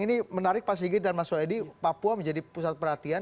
ini menarik pak sigit dan mas soedi papua menjadi pusat perhatian